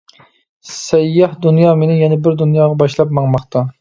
سەيياھ دۇنيا مېنى يەنە بىر دۇنياغا باشلاپ ماڭماقتا.